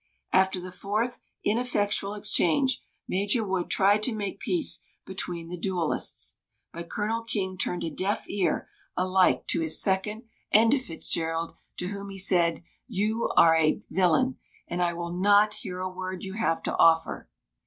After the fourth ineffectual exchange Major Wood tried to make peace between the duellists. But Colonel King turned a deaf ear alike to his second and to Fitzgerald, to whom he said: "You are a villain, and I will not hear a word you have to offer!"